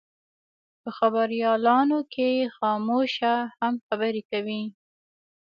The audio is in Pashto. په خبریالانو کې خاموشه هم خبرې کوي.